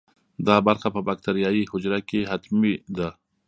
دا برخه په باکتریايي حجره کې حتمي ده.